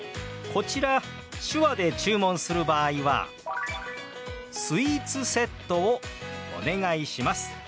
こちら手話で注文する場合は「スイーツセットをお願いします」と表します。